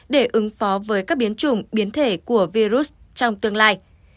để ứng phó với các biến chủng biến thể của virus trong tương lai